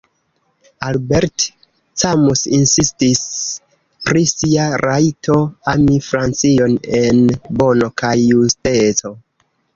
Albert Camus insistis pri sia rajto ami Francion en bono kaj justeco.